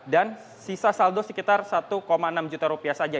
dan sisa saldo sekitar rp satu enam juta